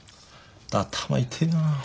頭痛えな。